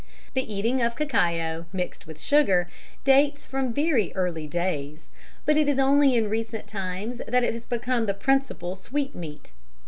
The eating of cacao mixed with sugar dates from very early days, but it is only in recent times that it has become the principal sweetmeat.